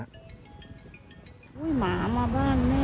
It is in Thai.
หุ้ยหมามาบ้านแม่หวงเจี้ยวเลย